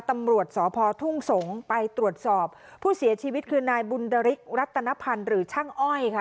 ตำรวจสพทุ่งสงศ์ไปตรวจสอบผู้เสียชีวิตคือนายบุญดริกรัตนพันธ์หรือช่างอ้อยค่ะ